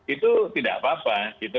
itu tidak apa apa